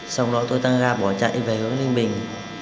xong đó tôi đang ra bỏ chạy về hướng ninh bình